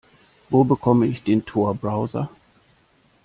Wo bekomme ich den Tor-Browser?